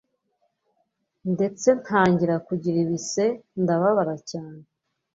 ndetse ntangira kugira ibise ndababara cyane